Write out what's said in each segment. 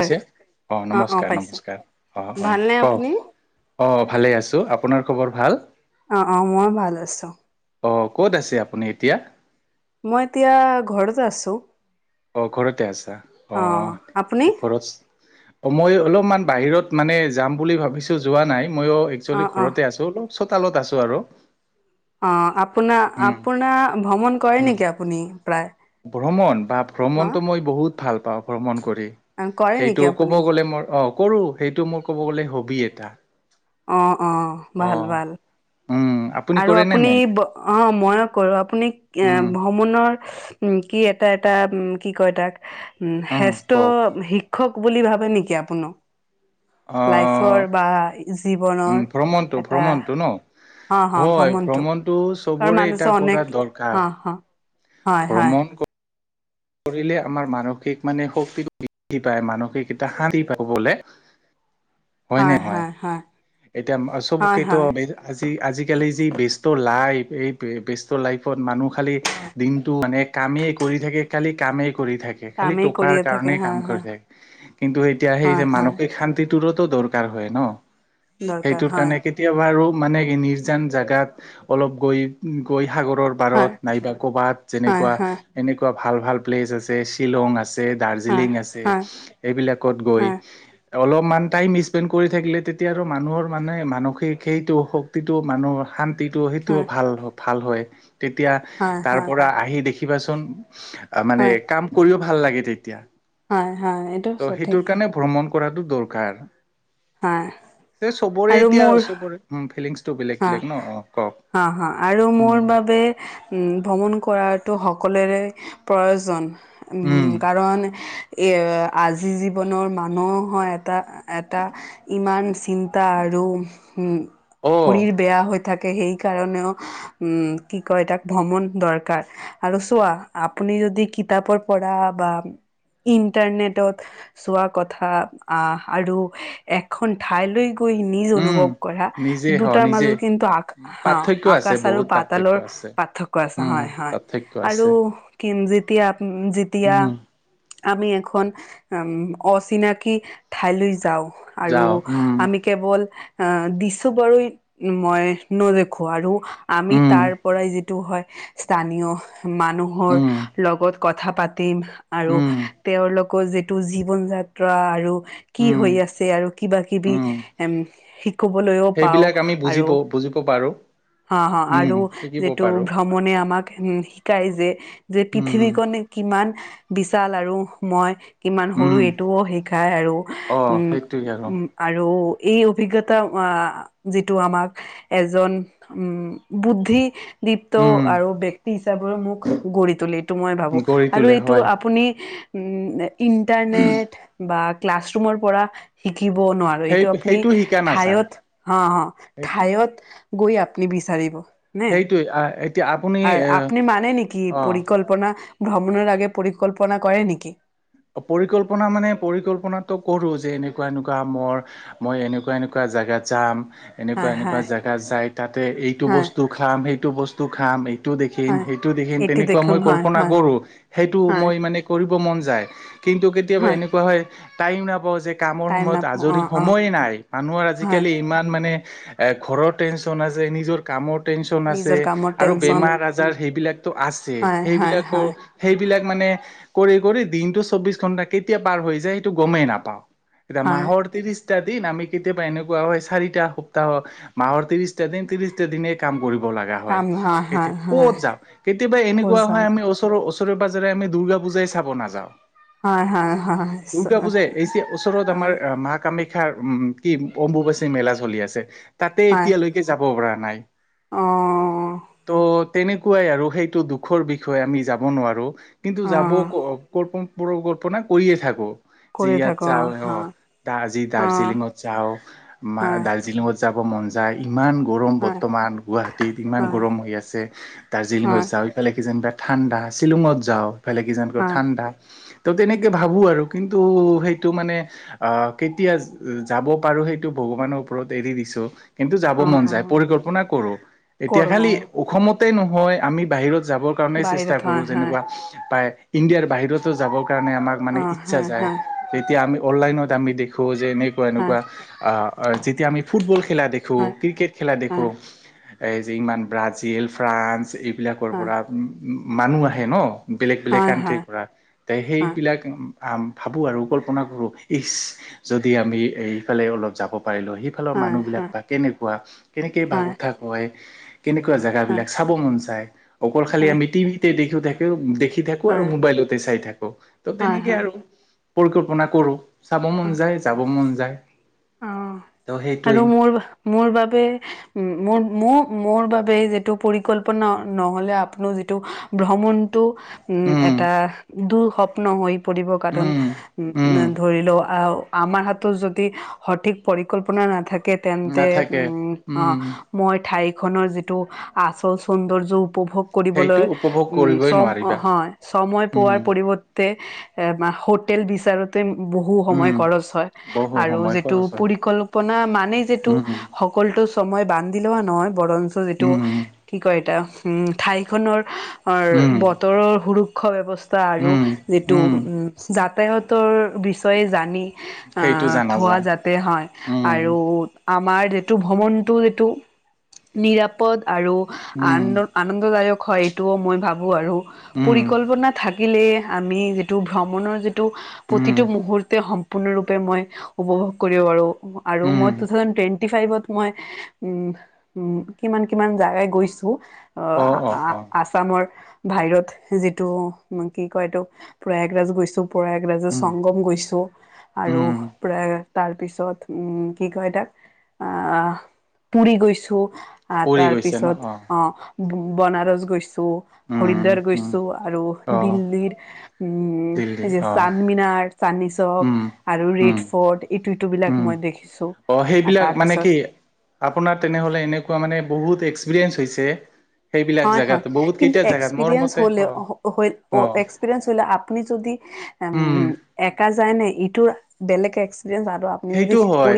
হয় অ, অ অ নমস্কাৰ পাইছো নমস্কাৰ অ - অ ভালনে আপুনি কওক। অ, ভালে আছো আপোনাৰ খবৰ ভাল। অ - অ মই ভাল আছো। অ, ক'ত আছে আপুনি এতিয়া। মই এতিয়া ঘৰত আছো। অহ, ঘৰতে আছ অ অহ, আপুনি ঘৰত অ, মই অলপমান বাহিৰত মানে যাম বুলি ভাবিছো যোৱা নাই মইও অ একচুৱেলি অ ঘৰতে আছো অলপ। চোতালত আছো আৰু। অ, আপোনাৰ - উম আপোনাৰ ভ্ৰমণ কৰে উম নেকি আপুনি। প্ৰায় ভ্ৰমণ বা অ ভ্ৰমণত মই বহুত ভাল পাও। ভ্ৰমণ কৰি কৰে নেকি সেইটো আপুনি ক'ব গলে মই অ, কৰো সেইটো মোৰ ক'ব গ'লে হবি এটা। অ - অ, অ ভাল - ভাল। উম আৰু কৰে নে আপুনি নাই অ, ময় কৰো আপুনি এ উম ভ্ৰমণৰ উম, কি এটা - এটা উম, কি কয় তাক উম, শ্ৰেষ্ঠ শিক্ষক বুলি ভাবে নেকি আপোনো অ লাইফৰ বা উম জীৱনৰ ভ্ৰমণটো এটা। ভ্ৰমণটো ন হ হয় ভ্ৰমণটো কাৰ চবৰে মানুচ এতিয়া কৰা অনেক দৰকাৰ হা - হা। হয় হয় ভ্ৰমণ কৰ কৰিলে আমাৰ মানসিক মানে শক্তি বৃদ্ধি পায় মানসিক এটা শান্তি প বলে। [inaudible] হয় - হয় - হয়। এতিয়া হয় চবকেতো হয় আজি - আজি কালি যি ব্যস্ত লাইফ এই ব্যস্ত লাইফত মানুহ খালি দিনটো মানে কামেই কৰি থাকে খালি কামেই। কৰি থাকে খালি কামেই টকাৰ কৰিয়ে থাকে কাৰণেই কাম হয় কৰি হয় থাকে কিন্তু এতিয়া সেই যে হয় হয় মানসিক শান্তিত টোৰ ত দৰকাৰ হয় ন এক দৰকাৰ টোৰ হয় কাৰণে কেতিয়াবা আৰু মানে নিৰ্জান জাগাত অলপ গৈ - গৈ সাগৰৰ পাৰত হয় নাইবা ক'ৰবাত হয় যেনেকুৱা হয় এনেকুৱা ভাল - ভাল প্লেচ আছে শ্বিলং আছে। হয় দাৰ্জিলিং আছে হয় এইবিলাকত গৈ হয় হয় অলপমান টাইম স্পেণ্ড কৰি থাকিলে তেতিয়া। আৰু মানুহৰ মানে মানসিক সেইটো শক্তিটো মানুহৰ শান্তিটো সেইটো হয় ভাল হওক। ভাল হয় তেতিয়া তাৰ পৰা আহি দেখিবাচোন মানে হয় হয় কাম কৰিও ভাল লাগে তেতিয়া হয় হয় এইটো ত' সেইটোৰ সঠিক কাৰণে ভ্ৰমণ। কৰাটো দৰকাৰ। হাহ চবৰে এতিয়া চবৰে ফিলিংছটো বেলেগ - হা বেলেগ ন অ, কওক হা - হা আৰু উম মোৰ বাবে ভ্ৰমণ কৰাতটো সকলোৰে প্ৰয়োজন উম, কাৰণ এই আজিৰ জীৱনৰ মানুহ হয় এটা - এটা ইমান চিন্তা আৰু আৰু অ শৰীৰিৰ বেয়া হৈ থাকে সেই কাৰণেও উম, কি কয় তাক ভ্ৰমণ দৰকাৰ আৰু চোৱা আপনি যদি কিতাপৰ পঢ়া বা ইণ্টাৰনেটত চোৱা কথা আহ, আৰু এখন ঠাইলৈ গৈ নিজ উম অনুভৱ কৰা। নিজে হ দুটাৰ নিজে মাজত কিন্তু আকা হা পাৰ্থক্য আছে আকাশ আৰু বহুত পাৰ্থক্য পাতালৰ আছে পাৰ্থক্য আছে উম হয় - হয়। পাৰ্থক্য আৰু আছে কিম যেতিয়া - যেতিয়া উম আমি এখন উ অচিনাকি ঠাইলৈ, যাও আৰু যাও উম আমি কেৱল, বাৰু মই নদেখো আৰু আমি উম তাৰ পৰাই য, হয় স্থানীয় মানুহৰ উম লগত কথা পাতি তিম আৰু উম তেওঁৰলোকৰ যিটো জীৱন যাত্ৰা আৰু কি উম হৈ আছে আৰু কিবা কিবি উম এম শিকবলৈও সেইবিলাক আমি বুজিব বুজিব পাৰো। হ হ উম আৰু শিকিব যিটো পাৰো ভ্ৰমণে আমাক উ শিকাই যে যে উম পৃথিৱীখন কি ইমান বিশাল আৰু মই কিমান সৰু উম এইটোও শিকাই আৰু অ উম সেইটোৱে আৰু উ আৰু, এই অভিজ্ঞতা আ যিটো আমাক এজন উম বুদ্ধি দীপ্ত উম আৰু বি চাবোৰ মোক গঢ়ি তুলি এইটো মই ভাবো গঢ়ি আৰু তোলে এইটো হয় আপুনি উম! ইণ্টাৰনেট বা ক্লাছৰৰুমৰ পৰা শি শিকিব নোৱাৰো সেই এইটো আপুনি সেইটো শিকা নাযায় ঠাইত, হ অ সেইটো ঠাইত গৈ আপুনি বিচাৰিব নে সেইটোৱে আহ আৰু আপুনি মানে নেকি পৰিকল্পনা ভ্ৰমণৰ আগে পৰিকল্পনা কৰে নেকি, পৰিকল্পনা মানে পৰিকল্পনাটো কৰো যে এনেকুৱা এনেকুৱা মৰ মই এনেকুৱা এনেকুৱা জাগাত যাম এনেকুৱা হয় এনেকুৱা হয় জেগা যাই তাতে এইটো হয় বস্তু খাম সেইটো বস্তু খাম এই, এইটো দেখিম হয় সেইটো দেখিম এইটো তেনেকুৱা দেখোন মই হয় কল্পনা হয় কৰো সেইটো হয় মই মানে কৰিব মন যায়। কিন্তু কেতিয়াবা এনেকুৱা হয় টাইম নাপাওঁ যে, কামৰ টাইম সময়ত নাপাওঁ অ আজৰি অ সময় নাই মানুহৰ হয় আজিকালি ইমান মানে, এ ঘৰৰত টেনচন আছে নিজৰ কামত নিজৰ কামৰ টেনচন বমাৰ আ হয় হয় হয় স বিলাক মানে কৰি কৰি দিনটো চৌবিশ ঘন্টা কেতিয়া পাৰ হৈ যায় সেইটো গমেই নাপাওঁ। এতিয়া হয় মাহৰ ত্ৰিশ, দিন আমি কেতিয়াবা এনেকুৱা হয় চাৰিটা সপ্তাহ মাহৰ ত্ৰিশটা দিন ত্ৰিশটা দিনে কাম কৰিব। হয় কাম হয় হয় কত যাও কেতিয়াবা ক'ত এনেকুৱা যাম হয় আমি ওচৰৰ ও, ওচৰে পজৰে আমি দুৰ্গা পূজাই চাব নাযাওঁ। হয় হয় হয় দুৰ্গা পূজা এই যে ওচৰত হয় আমাৰ মা কামাখ্যা, াৰ উম কি অম্বুবাচী মেলা চলি আছে তাতে হয় এতিয়ালৈকে যাব পৰা নাই। অ ত' তেনেকুৱাই আৰু সেইটো দুখৰ বিষয়ে আমি যাব নোৱাৰো। কিন্তু অ যাব ক্প কল্পনা কৰিয়ে থাকো। যি কৰি ইয়াত থাকো চাও অ হয় তাৰ যি অ দাৰ্জিলিঙত চাও ম হয় দাৰ্জিলিঙত, যাব মন যায়। ইমান গৰম হয় বৰ্তমান গুৱাহাটীত ইমান হয় গৰম হৈ আছে হয় দাৰ্জিলিঙত যাওঁ ইফালে কি যেনিবা, ঠাণ্ডা শ্বিলঙত যাওঁ বেলেগ কিজানকো হয় ঠাণ্ডা। ত' তেনেকে ভাবো আৰু কিন্তু সেইটো মানে আহ কেতিয়া যাব পাৰো। সেইটো ভগৱানৰ ওপৰত এৰি দিছো, কিন্তু যাব অ মন অ যায় পৰিকল্পনা কৰো এতিয়া কৰো খালি অ অসমতে নহয় আমি বাহিৰত, কাৰ চো বাহিৰত হয় হয় কৰোুৱা বাহ য, ণে আমাক মানে অ ইচ্ছা হয় য হয় যেতিয়া আমি অনলাইনত আমি দেখ, যে এনেকুৱা হয় এনেকুৱা যেতিয়া আমি ফুটবল খেলা দেখোঁ ক্ৰিকেট খেলা দেখোঁ। হয় এই যে ইমান ব্ৰাজিল ফ্ৰান্স এইবিলাকৰ হয় পৰা মানুহ আহে ন, বেলেগ বেলেগ হয় কাানট্ৰিৰ হয় পৰা তে হয় সেইবিলাক ভাবোঁ আৰু কল্পনা কৰোঁ ইচ যদি আমিফাল অলপ যাব। পাৰ ল সেইফালৰ হয় মানুহ বিিলাক হয় বা কেনেকুৱা কেনেকে বা হয় কঠা কয়। কেনেকুৱা হয় জেগাাবিলাক চাব মন যায় অকল হয় খালি হয় আমি টিভিতে দেখি থাকি শখি থাকো আৰু মোবাইলতে চাই থাকো ত হয় হয় তেনেকে হয় আৰু পৰিকল্পনা কৰো চাব মন হয় যায় যাব মন যায় অ তো আৰু সেইটোৱেই মোৰ মোৰ বাবে মোৰ মোৰ মোৰ বাবোব যিটো পৰিকল্পনা নহ'লে আপোননি যিটো ভ্ৰমণ উম এটা দুস্বপ্ন হৈ পৰিবৰ কাৰণ উম উ উম ধৰি লও আহ আমাৰ হাতো যদি সঠিক পৰিকল্পনা নাথাকে তেন্তে উ নাথাকে উম মই ঠাই এইখনৰ যিটো আচল সৌন্দৰ্য উপভোগ সেইটো কৰিবলৈ উপভোগ উ ছ কৰিবই নোৱাৰিবা হয় ছয় পোৱাৰ উম পৰিৱৰ্তে হেল বিচাৰতে বহু সময়ৰ উম হয় বহু আৰু সময় টো খৰচ হয় পৰিকল্পনা মানেই যটো উম সকলোতো সময় বান্ধি লোৱা নহয় বৰ যিটো উম কি কয় এটা উম ঠাইখনৰ অ উম বতৰৰ সৰু শ্ষ ব্যৱস্থা আৰু উম যিটো উম যাতায়তৰ বিষয়ে জানি অ সেইটো জানা থোৱা যায় য হয় উম আৰু আমাৰ যিটো ভ্ৰমণটো যিটো নিৰাপদ আৰু আন উম আনন্দদায়ক হয় এইটোও মই ভাবো আৰু উম পৰিকল্পনা থাকে থাকিলে আমি যিটো ভ্ৰমণৰ যিটো উম প্ৰতিটো মুহূুৰ্তে সম্পূৰ্ণৰূপে মই উপভোগ উম [unintelligible] জগাই গৈছো অ আছামৰ বাহিৰত যিটো কি কয় এইটো প্ৰয়াগৰাজ গৈছো প্ৰয়াগৰাজৰ উম সংগম গৈছো আৰু উম প্ৰায় তাৰ পিছত উম কি কয় এ তাক আহ পুৰি গৈছো আহ পৰি তাৰ গৈছে ন পিছত অ বনাৰস গৈছো উম হৰিদ্বাৰ উম গৈছো আৰু অ দিল্লীৰ উম দিল্লী স যে অ চান মিনাৰ চান্নিচক উম আৰু ৰেড উম ফৰ্ট সবিলাক উম মই দেখিছ অ সেইবিলাক মানে কি আপোনাৰ তেনেহলে এনেকুৱা মানে বহুত এক্সপিৰিয়েঞ্চ হৈছে [unintelligible] হয় হয় জেগাত বহুত কিন্তু কেইটা জেগাত মোৰ এক্সপিৰিয়েন্স মতে হলে অ অ এক্সপৰিিয়েন্স হলে আপুনি যদি উ উম একা যায় নে ইটোৰ বেলেগে সেইটো হয়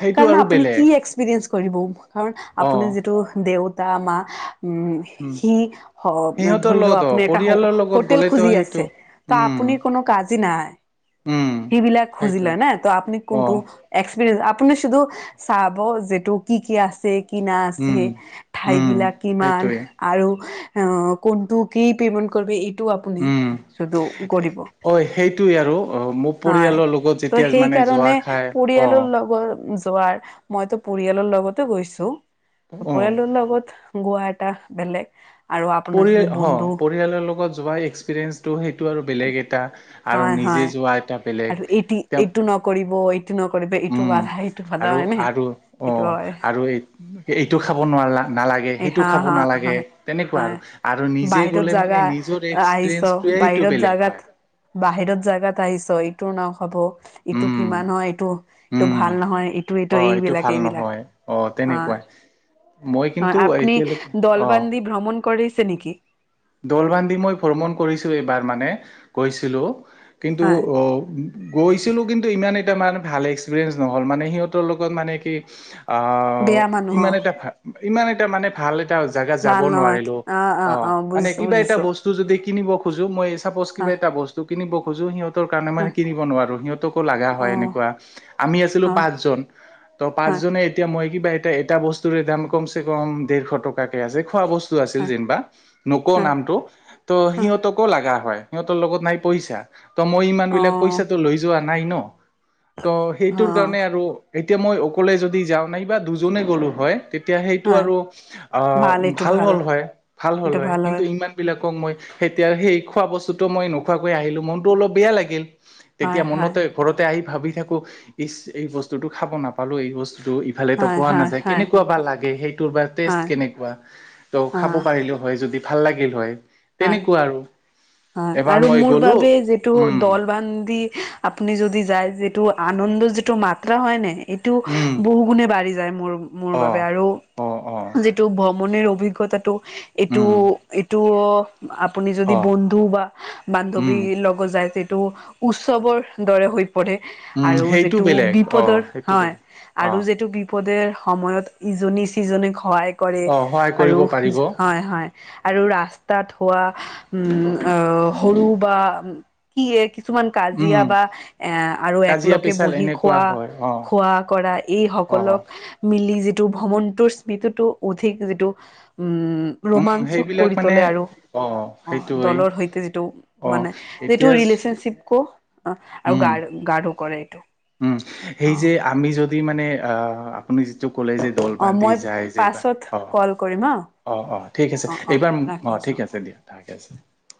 সেইটো আৰু বেলেগ [unintelligible] কৰিব কাৰণ অ আপুনি যিটো দেউতা মা উম সি সিহঁতৰ ধৰি লও লগত অ আপুনি এটা পৰিয়ালৰ লগত হোটেল গ'লেতো খুজি সেইটো আছে আপ উম উম সেইটোৱে অ [unintelligible] আপুনি শুধু চাব যেটো কি কি আছে কি না আছে উম ঠাই উম বিলাক কিমান সেইটোৱে আৰু কোনটো কি পেমেন্ট কৰিব এই টো আপুনি উম সুধ কৰিব অ সেইটোৱে আৰু অ মোৰ হয় পৰিয়ালৰ লগত ত যেতিয়া সেই মানে কাৰণে যোৱা খাই অ পৰিয়ালৰ লগত মইতো পৰিয়ালৰ লগত গৈছো অ পৰিয়ালৰ লগত গোৱা এটা বেলেগ আৰু আপোনাৰ পৰিয় যদি বন্ধু পৰিয়ালৰ লগত যোৱা এক্সপিৰিয়েঞ্চটো সেইটো আৰু বেলেগ এটা আৰু হয় হয় নিজে যোৱা এ আৰু এইটো এইটো নকৰিব এই ইটো নকৰিব ইটো উম বাধা ইটো বাধা আৰু হয় ন আৰু অ এইটো হয় আৰু এই এইটো খাব নোৱাৰা নালাগে এ সেইটো হা খাব হা নালাগে হা তেনেকুৱা হয় আৰু আৰু নিজে বাহিৰত গ'লে মানে জাগা নিজৰ আহিছ এক্সপিৰিয়েঞ্চটোৱে সেইটো বাহিৰত বেলেগ হয় জাগাত বাহিৰত জাগাত আহিছ ইটোৰ না খাব ইটো উম কিমান হয় এইটো এইটো উম ভাল নহয় ইটো অ এইটো এইবিলাক ভাল এইবিলাক নহয় অ [unintelligible] অ কিন্তু আপনি এতিয়ালৈকে দলবান্ধি ভ্ৰমণ কৰিছে নেকি দৌল বান্ধি মই ভ্ৰমণ কৰিছো এইবাৰ মানে গৈছিলো কিন্তু হয় অ' গৈছিলো কিন্তু ইমান এটা মানে ভাল এক্সপিৰিয়েঞ্চ নহ'ল মানে সিহঁতৰ লগত মানে কি অ' বেয়া মানুহ অ ইমান এটা ভাল, ইমান এটা মানে ভাল এ এটা জাগা যাব ভাল নহয় নোৱাৰিলো অ'। বুজিছো কিবা এটা বুজিছো বস্তু যদি কিনিব খোজো মই, চাপজ হা কিবা এটা বস্তু কিনিব খোজো, সিহঁত কাৰণে হা মানে কিনিব নোৱাৰো সিহঁতকো লগা হয়। অ এনেকুৱা আমি আছিলো অ পাঁচজন ত' হা পাঁচজনে এতিয়া মই কিবা এটা এটা বস্তুৰে দাম কমছে কম দেৰশ টকাকে আছে, খোৱা বস্তু আছিল হা যেনিবা ক হা নামটো ত' হা সিহঁতকো লগা হয়। সিহঁতৰ লগত নাই পইচা ত' মই ইমান অ বিলাক পইচাটো লৈ যোৱা নাই ন' ত সেইটোৰ কাৰণে অ আৰু এতিয়া মই অকলে যদি যাও নাই বা দুজনে গ'লো হয়। তেতিয়া সেইটো হয় আৰু অ' ভাল হ'ল হয়, ভাল হ'ল হয় কিন্তু ইমান বিলাক ক মই তেতিয়া সেই খোৱা বস্তুতটো মই নোখোৱাকৈ আহিলো। মনতো অলপ বেয়া লাগিল। হয় তেতিয়া হয় মনতে ঘৰতে আহি ভাবি থাকো ইচ এই বস্তুটো খাব নাপালো এই বস্তু টো ইফালে তো হয় পোৱা হয় নাযায়। হয় কেনেকুৱা বা লাগে সেইটোৰ বা টেষ্ট হয় কেনেকুৱা ত' খাব পাৰিলো হয় যদি ভাল লাগিল হয়। হ তেনেকুৱা আৰু হয় এবাৰ আৰু মই মোৰ গ'লো বাবে যিটো উম দলবান দি আপুনি যদি যায় যিটো আনন্দৰ যিটো মাত্ৰা হয় ন। এইটো উম বহু গুণে বাঢ়ি যায় মোৰ, মোৰ অ বাবে আৰু অ অ যিটো ভ্ৰমণে অভিজ্ঞতাটো এইটো উম এইটো আপুনি যদি অ বন্ধু বা উম বান্ধৱীৰ লগত যায়। টো উৎসৱৰ দৰে হৈ পৰে উম আৰু সেইটো যিটো বেলেগ অ বিপদৰ সেইটো হয় বেলেগ অ আৰু যিটো বি বিপদে সময়ত ইজনী-চিজনীক সহায় কৰে, অ সহায় আৰু কৰিব পাৰিব হয়-হয়। আৰু ৰাস্তাত হোৱা উম সৰু বা কি? কিছুমান কাজিয়া উম বা এ আৰু কাজিয়া একলগে পেচাল বহি এনেকুৱা খোৱা। হয় অ খোৱা কৰা এই অ সকলক মিলি যি ভ্ৰমণ টো স্মৃতিতো অধিক যিটো উ উম ৰোমাঞ্চকৰ সেইবিলাক কৰি মানে তোলে আৰু অ অ সেইটোৱেই দলৰ সৈতে যিটো অ মানে যিটো এতিয়া ৰিলেচনশ্বিপ ক অ' আৰু উম গাৰ গাৰ কৰে। এইটো উম, সেই অ যে আমি যদি মানে আহ আপুনি যিটো ক'লে যে দল অ বান্ধি মই যায় যে পাছত অ', কল কৰিম হা - অ', - অ' । ঠিক আছে অ অ এইবাৰ ৰাখি অ' আছো ঠিক আছে দিয়া তাকে আছে।